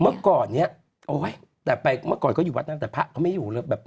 เมื่อก่อนเนี้ยโอ้ยแต่ไปเมื่อก่อนเขาอยู่วัดตั้งแต่พระเขาไม่อยู่แล้วแบบ